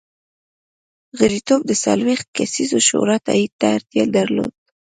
غړیتوب د څلوېښت کسیزې شورا تایید ته اړتیا درلوده.